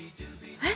えっ？